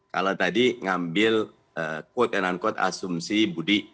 kalau tadi ngambil quote and unquote asumsi budi